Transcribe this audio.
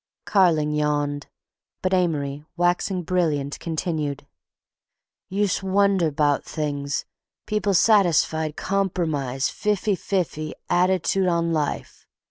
Carling yawned, but Amory, waxing brilliant, continued: "Use' wonder 'bout things—people satisfied compromise, fif'y fif'y att'tude on life.